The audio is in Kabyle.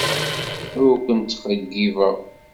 Ur kent-ttxeyyibeɣ.